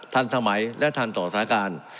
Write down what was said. ทันสมัยและทันต่อสถานการณ์